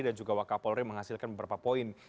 dan juga wak kapolri menghasilkan beberapa poin